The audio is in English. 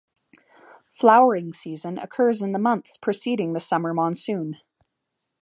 Flowering season occurs in the months preceding the summer monsoon.